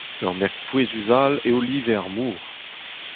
Ur merk pouezus all eo live ar mor.